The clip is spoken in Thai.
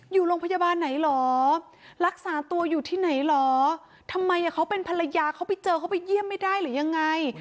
อยู่โรงพยาบาลไหนเหรอรักษาตัวอยู่ที่ไหนเหรอทำไมเขาเป็นภรรยาเขาไปเจอเขาไปเยี่ยมไม่ได้หรือยังไง